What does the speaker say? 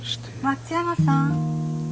松山さん。